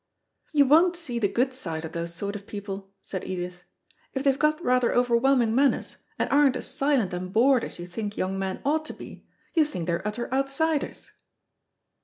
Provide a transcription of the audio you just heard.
"You won't see the good side of those sort of people," said Edith. "If they've got rather overwhelming manners, and aren't as silent and bored as you think young men ought to be, you think they're utter outsiders."